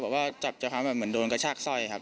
บอกว่าจับเจอคอมเหมือนโดนกระชากสร้อยครับ